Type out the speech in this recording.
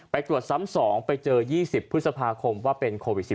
ไปตรวจซ้ำ๒ไปเจอ๒๐พฤษภาคมว่าเป็นโควิด๑๙